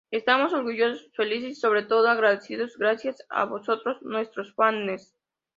Estamos orgullosos, felices y, sobre todo, agradecidos; gracias a vosotros, nuestros fanes.